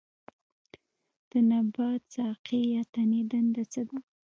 د نبات ساقې یا تنې دنده څه ده